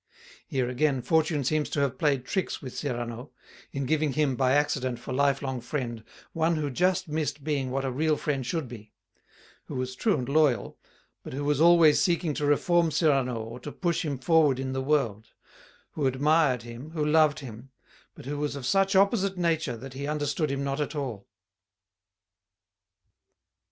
Here again Fortune seems to have played tricks with Cyrano, in giving him by accident for lifelong friend one who just missed being what a real friend should be; who was true and loyal, but who was always seeking to reform Cyrano or to push him forward in the world; who admired him, who loved him, but who was of such opposite nature that he understood him not at all.